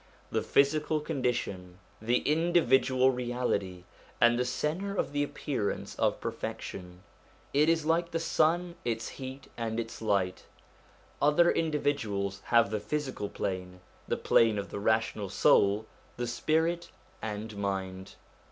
The physical condition, the indi 1 The Manifestation. THE MANIFESTATIONS OF GOD 179 vidual reality, and the centre of the appearance of per fection : it is like the sun, its heat and its light. Other individuals have the physical plane, the plane of the rational soul the spirit and mind.